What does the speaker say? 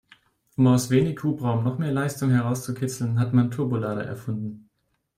Um aus wenig Hubraum noch mehr Leistung herauszukitzeln, hat man Turbolader erfunden.